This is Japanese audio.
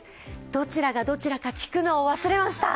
どちらがどちらか聞くのを忘れました。